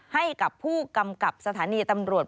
ให้กับผู้กำกับสถานีตำรวจ